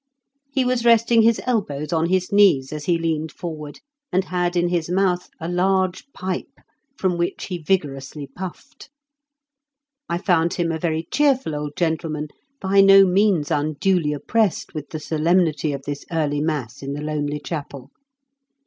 He was resting his elbows on his knees as he leaned forward, and had in his mouth a large pipe, from which he vigorously puffed. I found him a very cheerful old gentleman, by no means unduly oppressed with the solemnity of this early mass in the lonely chapel.